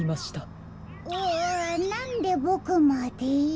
うわなんでボクまで？